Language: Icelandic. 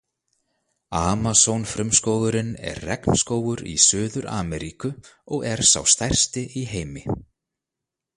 Amasónfrumskógurinn er regnskógur í Suður-Ameríku og er sá stærsti í heimi.